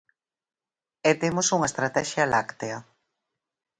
E temos unha estratexia láctea.